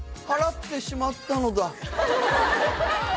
「払ってしまったのだ」